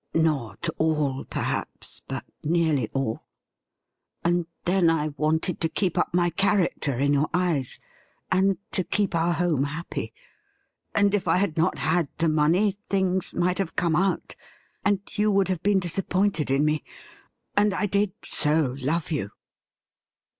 « Not all, perhaps, but nearly all. And, then, I wanted 'HAST THOU FOUND ME OUT?' 217 to keep up my character in your eyes, and to keep our home happy ; and if I had not had the money things might have come out, and you would have been dis appointed in me, and I did so love you.'